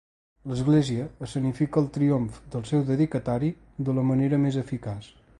L'església escenifica el triomf del seu dedicatari de la manera més eficaç.